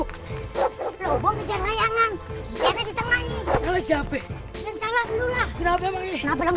kejalan lula kenapa